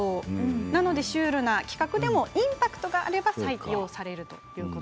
なので、シュールな企画でもインパクトがあれば口コミでね。